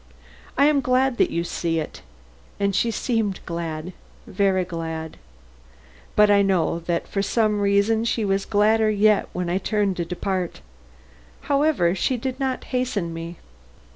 I am glad that you see it." And she seemed glad, very glad. But I know that for some reason she was gladder yet when I turned to depart. However, she did not hasten me.